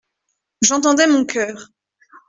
J'entendais mon coeur.